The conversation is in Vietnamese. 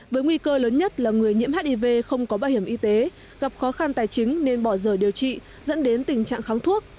với nguy cơ lớn nhất là người nhiễm hiv không có bảo hiểm y tế gặp khó khăn tài chính nên bỏ rời điều trị dẫn đến tình trạng kháng thuốc